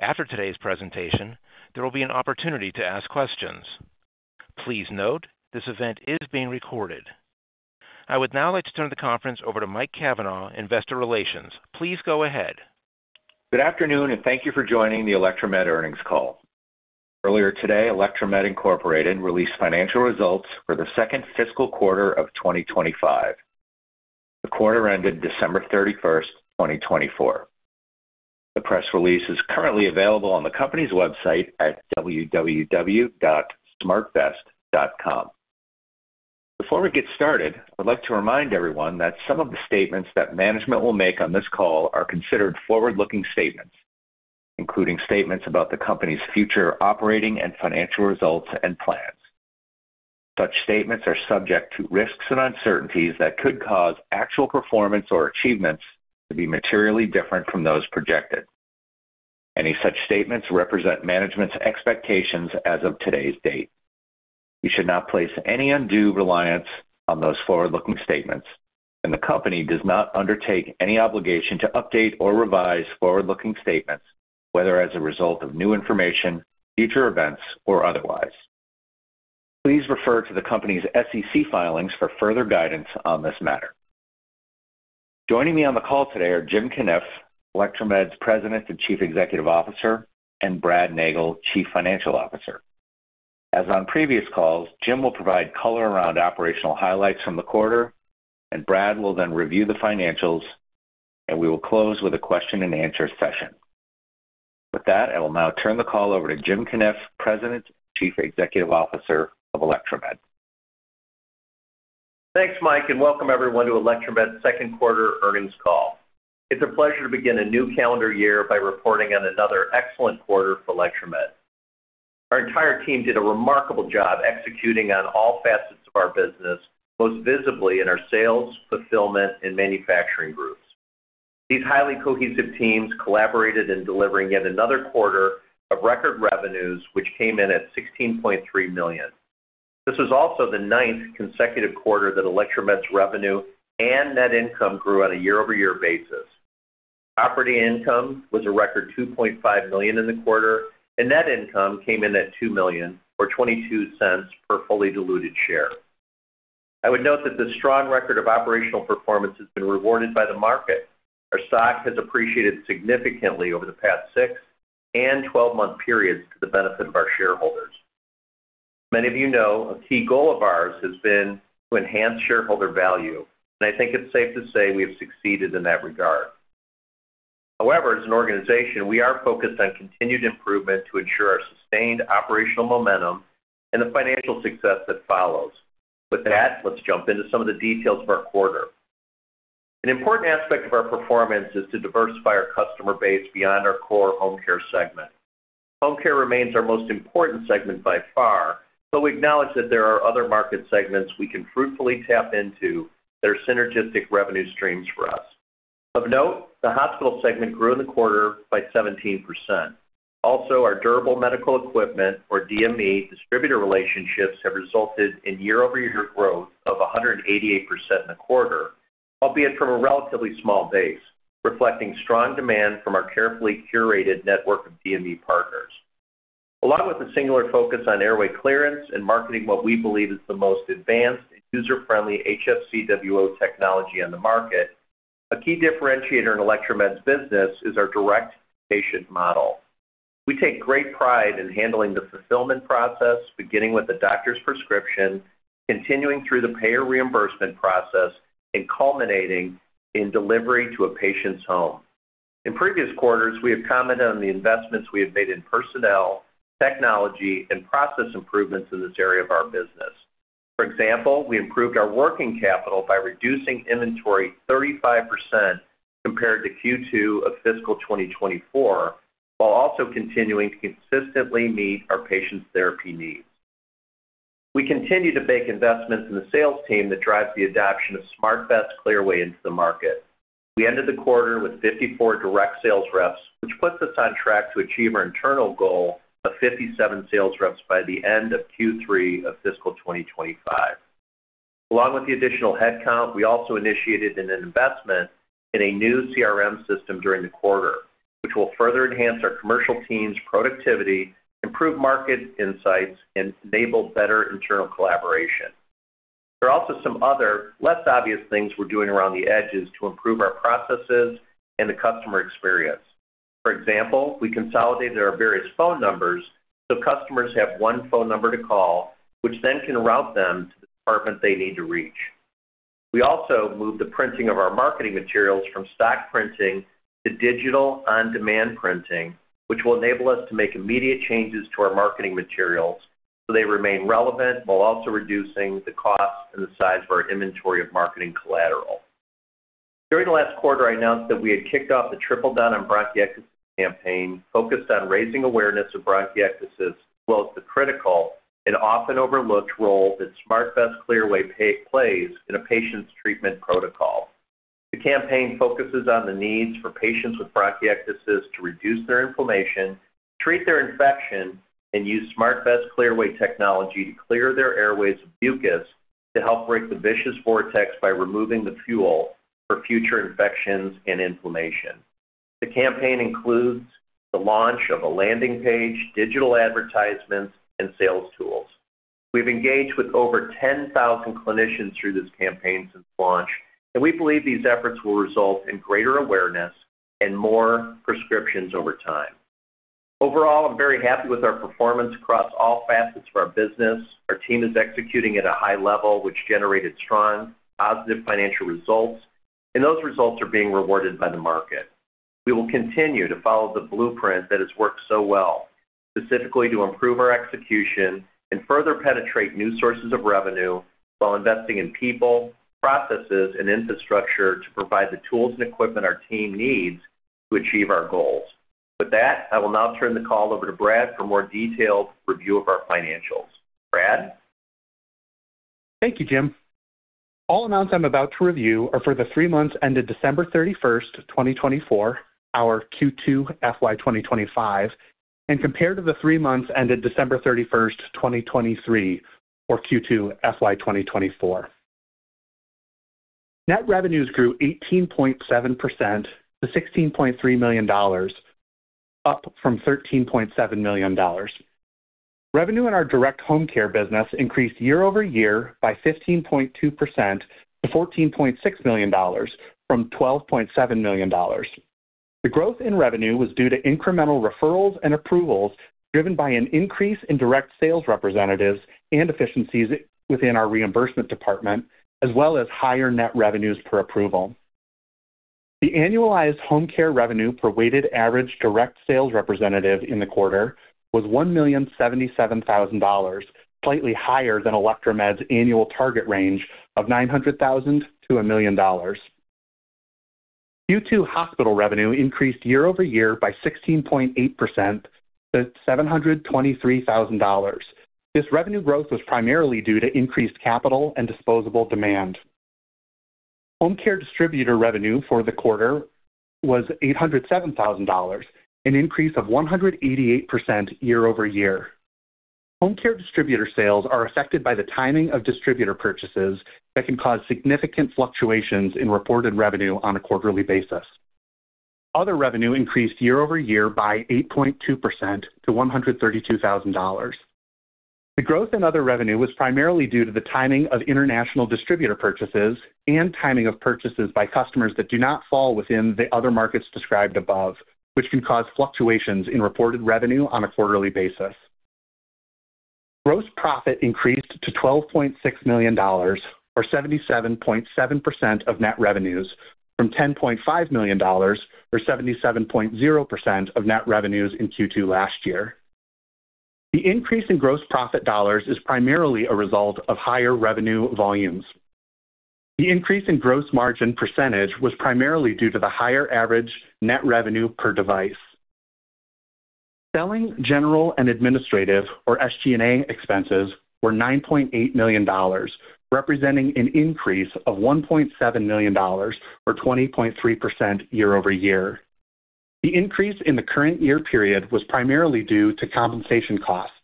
After today's presentation, there will be an opportunity to ask questions. Please note, this event is being recorded. I would now like to turn the conference over to Mike Cavanaugh, Investor Relations. Please go ahead. Good afternoon, and thank you for joining the Electromed earnings call. Earlier today, Electromed Incorporated released financial results for the second fiscal quarter of 2025. The quarter ended December 31st, 2024. The press release is currently available on the company's website at www.smartvest.com. Before we get started, I'd like to remind everyone that some of the statements that management will make on this call are considered forward-looking statements, including statements about the company's future operating and financial results and plans. Such statements are subject to risks and uncertainties that could cause actual performance or achievements to be materially different from those projected. Any such statements represent management's expectations as of today's date. You should not place any undue reliance on those forward-looking statements, and the company does not undertake any obligation to update or revise forward-looking statements, whether as a result of new information, future events, or otherwise. Please refer to the company's SEC filings for further guidance on this matter. Joining me on the call today are Jim Cunniff, Electromed's President and Chief Executive Officer, and Brad Nagel, Chief Financial Officer. As on previous calls, Jim will provide color around operational highlights from the quarter, and Brad will then review the financials, and we will close with a question-and-answer session. With that, I will now turn the call over to Jim Cunniff, President and Chief Executive Officer of Electromed. Thanks, Mike, and welcome everyone to Electromed's second quarter earnings call. It's a pleasure to begin a new calendar year by reporting on another excellent quarter for Electromed. Our entire team did a remarkable job executing on all facets of our business, most visibly in our sales, fulfillment, and manufacturing groups. These highly cohesive teams collaborated in delivering yet another quarter of record revenues, which came in at $16.3 million. This was also the ninth consecutive quarter that Electromed's revenue and net income grew on a year-over-year basis. Operating income was a record $2.5 million in the quarter, and net income came in at $2 million, or $0.22 per fully diluted share. I would note that this strong record of operational performance has been rewarded by the market. Our stock has appreciated significantly over the past six and 12-month periods to the benefit of our shareholders. Many of you know, a key goal of ours has been to enhance shareholder value, and I think it's safe to say we have succeeded in that regard. However, as an organization, we are focused on continued improvement to ensure our sustained operational momentum and the financial success that follows. With that, let's jump into some of the details of our quarter. An important aspect of our performance is to diversify our customer base beyond our core Home Care segment. Home Care remains our most important segment by far, though we acknowledge that there are other market segments we can fruitfully tap into that are synergistic revenue streams for us. Of note, the Hospital segment grew in the quarter by 17%. Also, our Durable Medical Equipment, or DME, distributor relationships have resulted in year-over-year growth of 188% in the quarter, albeit from a relatively small base, reflecting strong demand from our carefully curated network of DME partners. Along with a singular focus on airway clearance and marketing what we believe is the most advanced and user-friendly HFCWO technology on the market, a key differentiator in Electromed's business is our direct-patient model. We take great pride in handling the fulfillment process, beginning with the doctor's prescription, continuing through the payer reimbursement process, and culminating in delivery to a patient's home. In previous quarters, we have commented on the investments we have made in personnel, technology, and process improvements in this area of our business. For example, we improved our working capital by reducing inventory 35% compared to Q2 of fiscal 2024, while also continuing to consistently meet our patients' therapy needs. We continue to make investments in the sales team that drive the adoption of SmartVest Clearway into the market. We ended the quarter with 54 direct sales reps, which puts us on track to achieve our internal goal of 57 sales reps by the end of Q3 of fiscal 2025. Along with the additional headcount, we also initiated an investment in a new CRM system during the quarter, which will further enhance our commercial team's productivity, improve market insights, and enable better internal collaboration. There are also some other, less obvious things we're doing around the edges to improve our processes and the customer experience. For example, we consolidated our various phone numbers so customers have one phone number to call, which then can route them to the department they need to reach. We also moved the printing of our marketing materials from stock printing to digital on-demand printing, which will enable us to make immediate changes to our marketing materials so they remain relevant while also reducing the cost and the size of our inventory of marketing collateral. During the last quarter, I announced that we had kicked off the Triple Down on Bronchiectasis campaign focused on raising awareness of bronchiectasis, as well as the critical and often overlooked role that SmartVest Clearway plays in a patient's treatment protocol. The campaign focuses on the needs for patients with bronchiectasis to reduce their inflammation, treat their infection, and use SmartVest Clearway technology to clear their airways of mucus to help break the vicious vortex by removing the fuel for future infections and inflammation. The campaign includes the launch of a landing page, digital advertisements, and sales tools. We've engaged with over 10,000 clinicians through this campaign since launch, and we believe these efforts will result in greater awareness and more prescriptions over time. Overall, I'm very happy with our performance across all facets of our business. Our team is executing at a high level, which generated strong, positive financial results, and those results are being rewarded by the market. We will continue to follow the blueprint that has worked so well, specifically to improve our execution and further penetrate new sources of revenue while investing in people, processes, and infrastructure to provide the tools and equipment our team needs to achieve our goals. With that, I will now turn the call over to Brad for a more detailed review of our financials. Brad? Thank you, Jim. All amounts I'm about to review are for the three months ended December 31st, 2024, our Q2 FY 2025, and compared to the three months ended December 31st, 2023, or Q2 FY 2024. Net revenues grew 18.7% to $16.3 million, up from $13.7 million. Revenue in our direct Home Care business increased year-over-year by 15.2% to $14.6 million, from $12.7 million. The growth in revenue was due to incremental referrals and approvals driven by an increase in direct sales representatives and efficiencies within our reimbursement department, as well as higher net revenues per approval. The annualized Home Care revenue per weighted average direct sales representative in the quarter was $1,077,000, slightly higher than Electromed's annual target range of $900,000-$1,000,000. Q2 Hospital revenue increased year-over-year by 16.8% to $723,000. This revenue growth was primarily due to increased capital and disposable demand. Home Care distributor revenue for the quarter was $807,000, an increase of 188% year-over-year. Home Care distributor sales are affected by the timing of distributor purchases that can cause significant fluctuations in reported revenue on a quarterly basis. Other revenue increased year-over-year by 8.2% to $132,000. The growth in other revenue was primarily due to the timing of international distributor purchases and timing of purchases by customers that do not fall within the other markets described above, which can cause fluctuations in reported revenue on a quarterly basis. Gross profit increased to $12.6 million, or 77.7% of net revenues, from $10.5 million, or 77.0% of net revenues in Q2 last year. The increase in gross profit dollars is primarily a result of higher revenue volumes. The increase in gross margin percentage was primarily due to the higher average net revenue per device. Selling, general and administrative, or SG&A, expenses were $9.8 million, representing an increase of $1.7 million, or 20.3% year-over-year. The increase in the current year period was primarily due to compensation costs,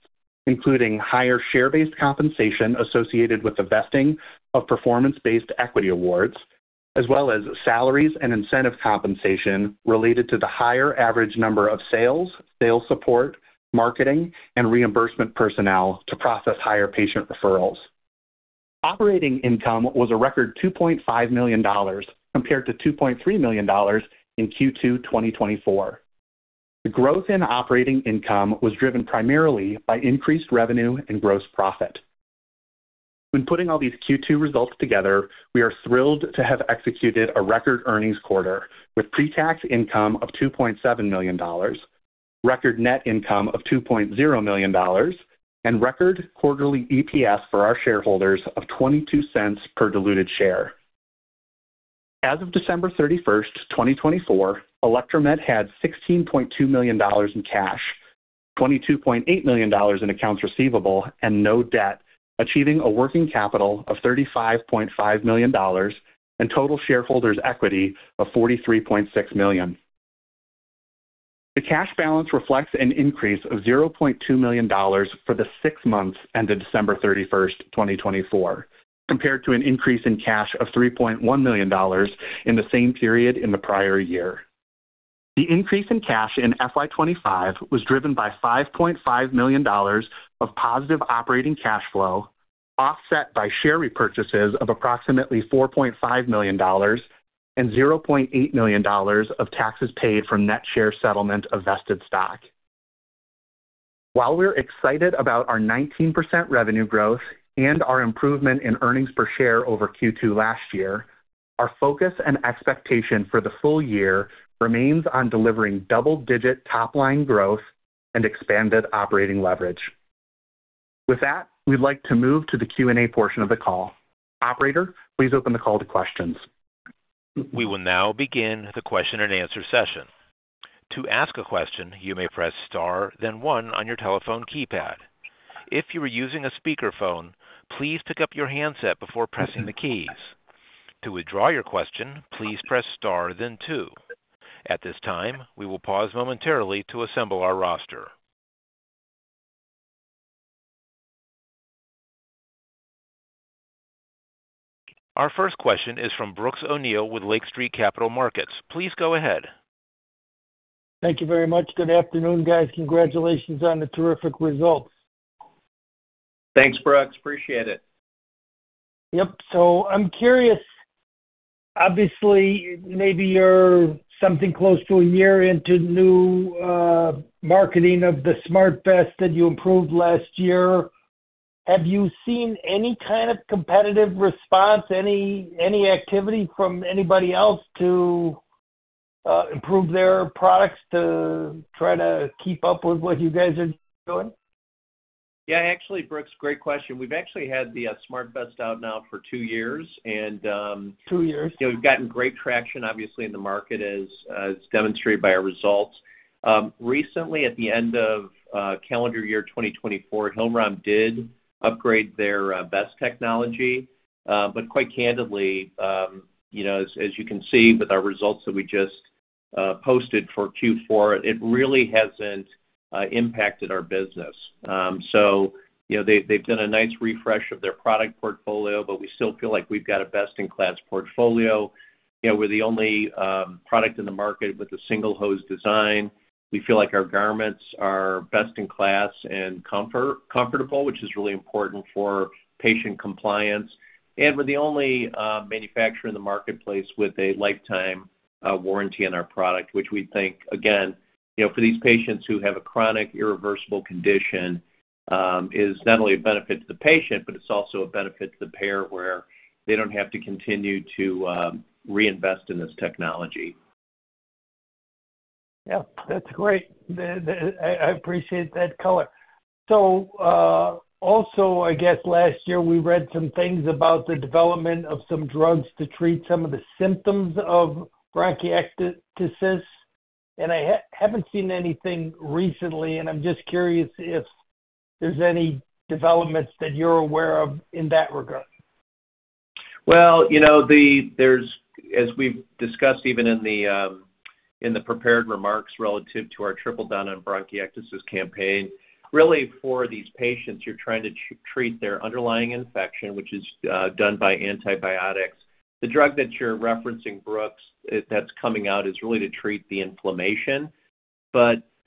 including higher share-based compensation associated with the vesting of performance-based equity awards, as well as salaries and incentive compensation related to the higher average number of sales, sales support, marketing, and reimbursement personnel to process higher patient referrals. Operating income was a record $2.5 million compared to $2.3 million in Q2 2024. The growth in operating income was driven primarily by increased revenue and gross profit. When putting all these Q2 results together, we are thrilled to have executed a record earnings quarter with pre-tax income of $2.7 million, record net income of $2.0 million, and record quarterly EPS for our shareholders of $0.22 per diluted share. As of December 31st, 2024, Electromed had $16.2 million in cash, $22.8 million in accounts receivable, and no debt, achieving a working capital of $35.5 million and total shareholders' equity of $43.6 million. The cash balance reflects an increase of $0.2 million for the six months ended December 31st, 2024, compared to an increase in cash of $3.1 million in the same period in the prior year. The increase in cash in FY 2025 was driven by $5.5 million of positive operating cash flow, offset by share repurchases of approximately $4.5 million and $0.8 million of taxes paid from net share settlement of vested stock. While we're excited about our 19% revenue growth and our improvement in earnings per share over Q2 last year, our focus and expectation for the full year remains on delivering double-digit top-line growth and expanded operating leverage. With that, we'd like to move to the Q&A portion of the call. Operator, please open the call to questions. We will now begin the question-and-answer session. To ask a question, you may press star, then one on your telephone keypad. If you are using a speakerphone, please pick up your handset before pressing the keys. To withdraw your question, please press star, then two. At this time, we will pause momentarily to assemble our roster. Our first question is from Brooks O'Neil with Lake Street Capital Markets. Please go ahead. Thank you very much. Good afternoon, guys. Congratulations on the terrific results. Thanks, Brooks. Appreciate it. Yep. I'm curious. Obviously, maybe you're something close to a year into new marketing of the SmartVest that you improved last year. Have you seen any kind of competitive response, any activity from anybody else to improve their products to try to keep up with what you guys are doing? Yeah. Actually, Brooks, great question. We've actually had the SmartVest out now for two years. Two years. We've gotten great traction, obviously, in the market, as demonstrated by our results. Recently, at the end of calendar year 2024, Hillrom did upgrade their vest technology. Quite candidly, as you can see with our results that we just posted for Q4, it really hasn't impacted our business. They've done a nice refresh of their product portfolio, but we still feel like we've got a best-in-class portfolio. We're the only product in the market with a single hose design. We feel like our garments are best-in-class and comfortable, which is really important for patient compliance. We are the only manufacturer in the marketplace with a lifetime warranty on our product, which we think, again, for these patients who have a chronic irreversible condition, is not only a benefit to the patient, but it's also a benefit to the payer where they do not have to continue to reinvest in this technology. Yeah. That's great. I appreciate that color. I guess last year we read some things about the development of some drugs to treat some of the symptoms of bronchiectasis, and I haven't seen anything recently, and I'm just curious if there's any developments that you're aware of in that regard. As we have discussed even in the prepared remarks relative to our Triple Down on Bronchiectasis campaign, really for these patients, you are trying to treat their underlying infection, which is done by antibiotics. The drug that you are referencing, Brooks, that is coming out is really to treat the inflammation.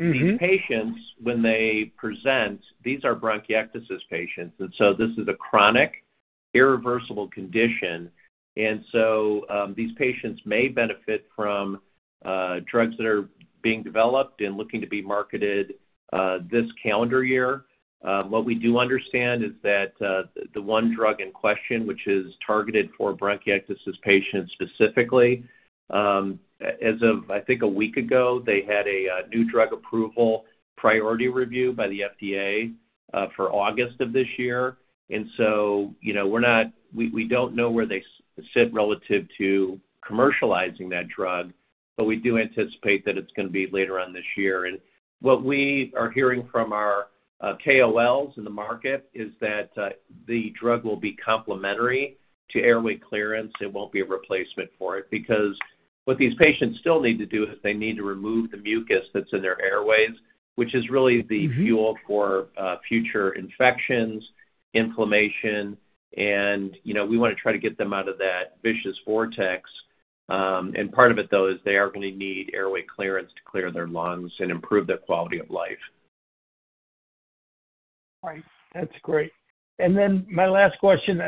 These patients, when they present, these are bronchiectasis patients, and this is a chronic irreversible condition. These patients may benefit from drugs that are being developed and looking to be marketed this calendar year. What we do understand is that the one drug in question, which is targeted for bronchiectasis patients specifically, as of, I think, a week ago, they had a new drug approval priority review by the FDA for August of this year. We do not know where they sit relative to commercializing that drug, but we do anticipate that it is going to be later on this year. What we are hearing from our KOLs in the market is that the drug will be complementary to airway clearance. It will not be a replacement for it because what these patients still need to do is they need to remove the mucus that is in their airways, which is really the fuel for future infections, inflammation, and we want to try to get them out of that vicious vortex. Part of it, though, is they are going to need airway clearance to clear their lungs and improve their quality of life. All right. That's great. My last question,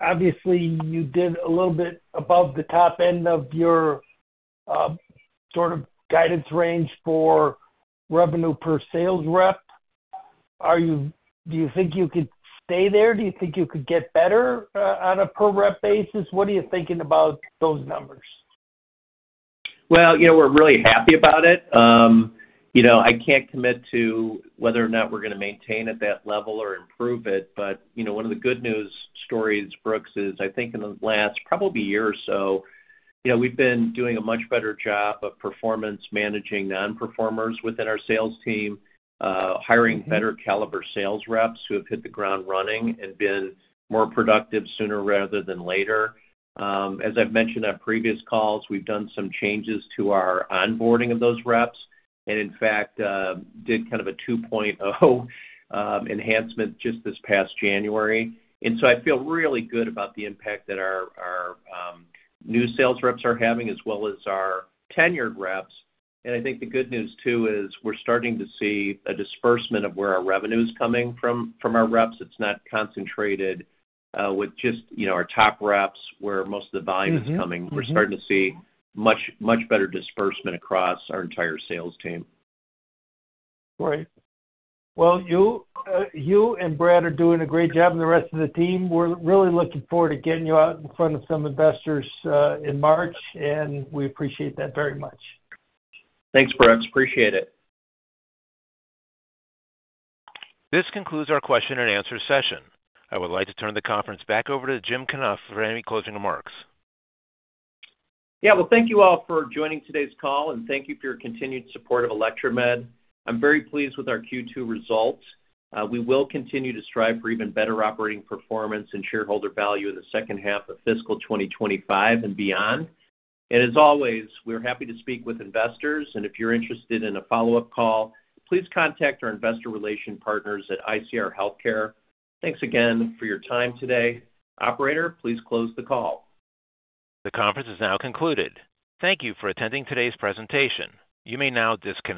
obviously, you did a little bit above the top end of your sort of guidance range for revenue per sales rep. Do you think you could stay there? Do you think you could get better on a per-rep basis? What are you thinking about those numbers? We are really happy about it. I cannot commit to whether or not we are going to maintain at that level or improve it, but one of the good news stories, Brooks, is I think in the last probably year or so, we have been doing a much better job of performance managing non-performers within our sales team, hiring better-caliber sales reps who have hit the ground running and been more productive sooner rather than later. As I have mentioned on previous calls, we have done some changes to our onboarding of those reps and, in fact, did kind of a 2.0 enhancement just this past January. I feel really good about the impact that our new sales reps are having as well as our tenured reps. I think the good news, too, is we are starting to see a disbursement of where our revenue is coming from our reps. It's not concentrated with just our top reps where most of the volume is coming. We're starting to see much better disbursement across our entire sales team. Great. You and Brad are doing a great job, and the rest of the team, we're really looking forward to getting you out in front of some investors in March, and we appreciate that very much. Thanks, Brooks. Appreciate it. This concludes our question-and-answer session. I would like to turn the conference back over to Jim Cunniff for any closing remarks. Thank you all for joining today's call, and thank you for your continued support of Electromed. I'm very pleased with our Q2 results. We will continue to strive for even better operating performance and shareholder value in the second half of fiscal 2025 and beyond. As always, we're happy to speak with investors, and if you're interested in a follow-up call, please contact our Investor Relations partners at ICR Healthcare. Thanks again for your time today. Operator, please close the call. The conference is now concluded. Thank you for attending today's presentation. You may now disconnect.